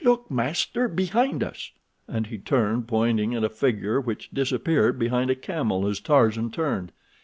"Look, master, behind us," and he turned, pointing at a figure which disappeared behind a camel as Tarzan turned.